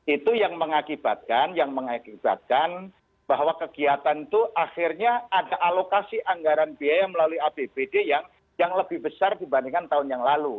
itu yang mengakibatkan bahwa kegiatan itu akhirnya ada alokasi anggaran biaya melalui apbd yang lebih besar dibandingkan tahun yang lalu